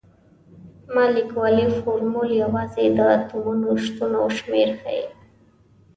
مالیکولي فورمول یوازې د اتومونو شتون او شمیر ښيي.